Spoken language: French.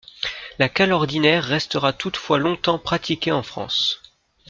La cale ordinaire restera toutefois longtemps pratiquée en France.